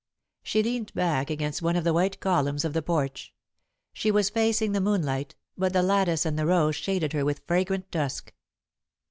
She leaned back against one of the white columns of the porch. She was facing the moonlight, but the lattice and the rose shaded her with fragrant dusk.